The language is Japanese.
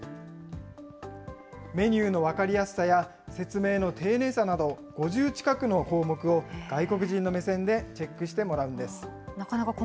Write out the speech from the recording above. メニューの分かりやすさや説明の丁寧さなど５０近くの項目を、外国人の目線でチェックしてもらうんです。